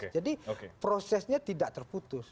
jadi prosesnya tidak terputus